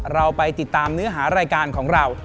เราไปติดตามเนื้อหารายการของเรา